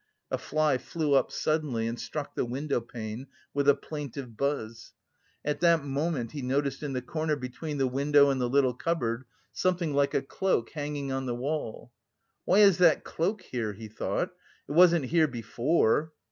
A fly flew up suddenly and struck the window pane with a plaintive buzz. At that moment he noticed in the corner between the window and the little cupboard something like a cloak hanging on the wall. "Why is that cloak here?" he thought, "it wasn't there before...."